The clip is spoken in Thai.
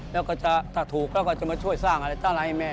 แล้วก็จะถ้าถูกแล้วก็จะมาช่วยสร้างอะไรต่ออะไรให้แม่